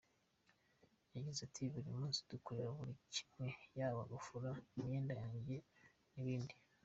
Yagize ati “Buri munsi nikorera buri kimwe yaba gufura imyenda yanjye n’ibindi.